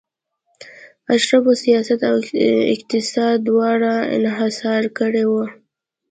اشرافو سیاست او اقتصاد دواړه انحصار کړي وو.